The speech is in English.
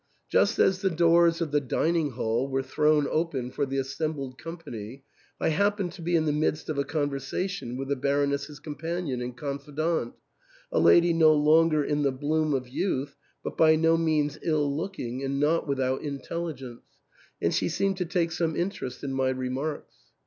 Just as the doors of the dining hall were thrown open for the assembled company, I happened to be in the midst of a conversa tion with the Baroness's companion and confidante, — a lady no longer in the bloom of youth, but by no means ill looking, and not without intelligence, — and she seemed to take some interest in my remarks.